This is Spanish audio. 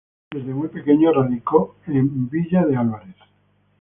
Desde muy pequeño radicó en Villa de Álvarez.